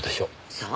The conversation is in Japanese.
さあ？